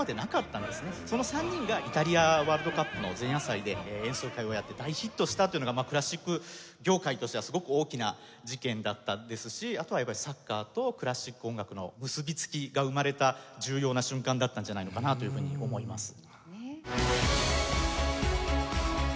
その３人がイタリアワールドカップの前夜祭で演奏会をやって大ヒットしたというのがクラシック業界としてはすごく大きな事件だったですしあとはやっぱり。だったんじゃないのかなというふうに思います。